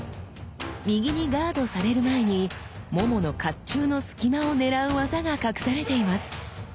右にガードされる前にももの甲冑の隙間を狙う技が隠されています。